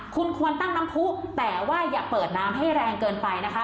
คุณควรตั้งน้ำผู้แต่ว่าอย่าเปิดน้ำให้แรงเกินไปนะคะ